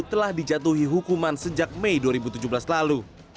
yang dihukuman sejak mei dua ribu tujuh belas lalu